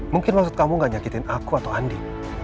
mungkin maksud kamu gak nyakitin aku atau andi